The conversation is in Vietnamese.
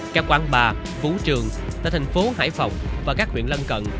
các quán bar phú trường tại thành phố hải phòng và các huyện lân cận